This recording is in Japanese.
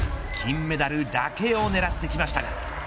金メダルだけを狙ってきましたが。